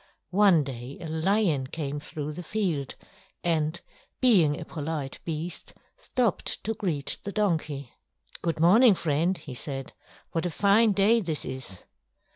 One day a lion came through the field, and, being a polite beast, stopped to greet the donkey. "Good morning, friend!" he said. "What a fine day this is!"